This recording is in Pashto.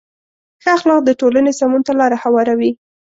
ښه اخلاق د ټولنې سمون ته لاره هواروي.